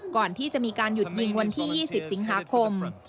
ก่อนที่จะมีการหยุดยิงวันที่๒๐สิงหาคม